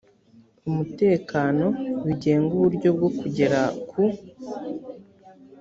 umutekano bigenga uburyo bwo kugera ku